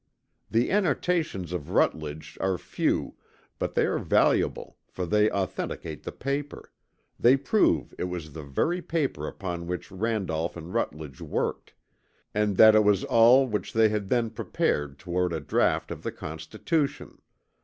The annotations of Rutledge are few but they are valuable for they authenticate the paper; they prove it was the very paper upon which Randolph and Rutledge worked; and that it was all which they had then prepared toward a draught of the Constitution.